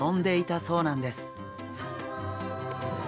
そうなんですね。